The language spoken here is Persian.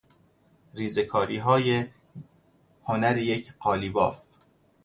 ریزه کاریهای هنر یک قالیباف